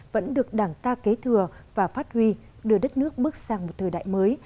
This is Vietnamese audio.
vẫn được đảng ta kế thừa và phát huy đưa đất nước bước sang một thời đại mới